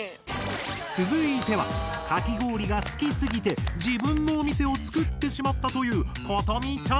続いてはかき氷が好きすぎて自分のお店を作ってしまったということみちゃん！